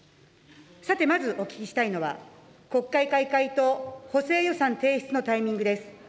さて、まずお聞きしたいのは国会開会と補正予算提出のタイミングです。